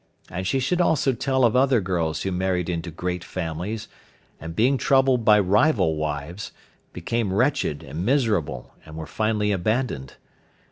And she should also tell of other girls who married into great families, and being troubled by rival wives, became wretched and miserable, and were finally abandoned.